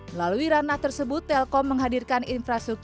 melalui ranah tersebut telkom menghadirkan infrastruktur